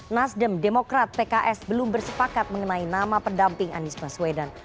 nasdem demokrat pks belum bersepakat mengenai nama pendamping anies baswedan